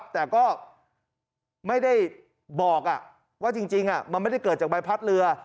แต่ก็ไม่ได้บอกว่าจริงมันไม่ได้เกิดจากใบพัดเรือ